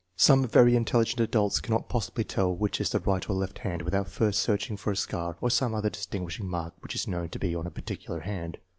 Some very intelligent adults cannot possibly tell which is the right or left hand without first searching for a scar or some other distinguishing mark which is known, to be on a particular hand.